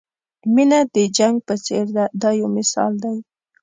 مینه د جنګ په څېر ده دا یو مثال دی.